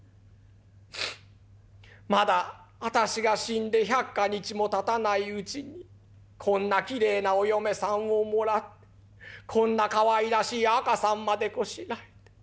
まだ私が死んで百か日もたたないうちにこんなきれいなお嫁さんをもらってこんなかわいらしい赤さんまでこしらえて。